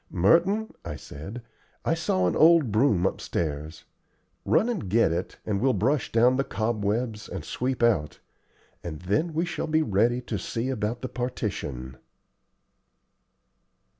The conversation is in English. "Merton," I said, "I saw an old broom upstairs. Run and get it, and we'll brush down the cobwebs and sweep out, and then we shall be ready to see about the partition."